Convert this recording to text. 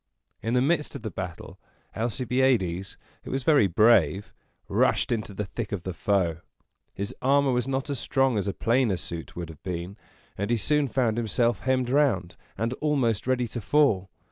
In the midst of the battle, Alcibiades, who was very brave, rushed into the thick of the foe. His armor was not as strong as a plainer suit would have been; and he soon found himself hemmed round, and almost ready to fall.